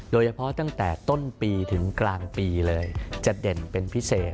โดยเฉพาะตั้งแต่ต้นปีถึงกลางปีเลยจะเด่นเป็นพิเศษ